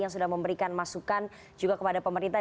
yang sudah memberikan masukan juga kepada pemerintah